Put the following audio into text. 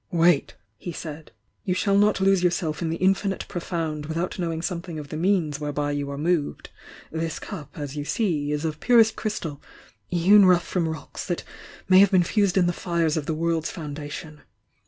"Wait!" he said. "You shall not lose yourself in the infinite profound, without knowing something of the means whereby you are moved. This cup, as you see, is of purest crystal, hewn rough from rocks that may have been fused in the fires of the world's foundation.